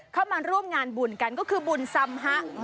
เข้ามาร่วมงานบุญกันก็คือบุญสำฮะ